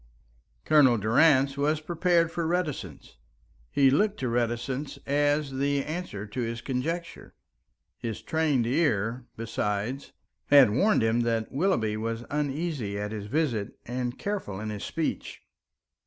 Colonel Durrance was prepared for reticence, he looked to reticence as the answer to his conjecture. His trained ear, besides, had warned him that Willoughby was uneasy at his visit and careful in his speech.